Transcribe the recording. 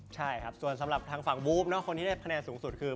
ใช่ครับส่วนสำหรับทางฝั่งบู๊บคนที่ได้คะแนนสูงสุดคือ